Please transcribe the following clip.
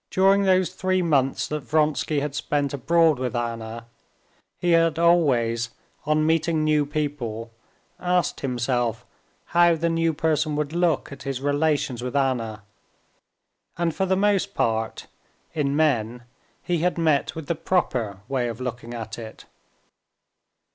During those three months that Vronsky had spent abroad with Anna, he had always on meeting new people asked himself how the new person would look at his relations with Anna, and for the most part, in men, he had met with the "proper" way of looking at it.